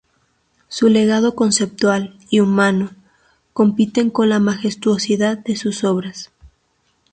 Su legado conceptual y humano, compiten con la majestuosidad de sus obras.